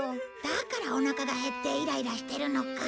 だからおなかが減ってイライラしてるのか。